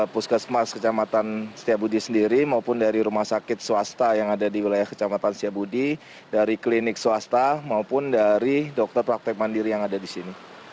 puskesmas kecamatan setiabudi sendiri maupun dari rumah sakit swasta yang ada di wilayah kecamatan setiabudi dari klinik swasta maupun dari dokter praktek mandiri yang ada di sini